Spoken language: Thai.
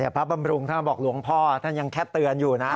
บำรุงท่านบอกหลวงพ่อท่านยังแค่เตือนอยู่นะ